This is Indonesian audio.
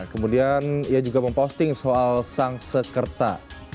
kemudian ia juga memposting soal sang sekerta